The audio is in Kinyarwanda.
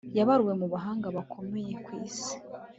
yabaruwe mubahanga bakomeye kwisi